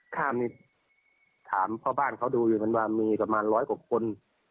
ข้ามนี่ถามพ่อบ้านเขาดูอยู่นั้นว่ามีประมาณร้อยกว่าคน